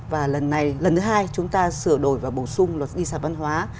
và lần thứ hai chúng ta sửa đổi và bổ sung luật di sản văn hóa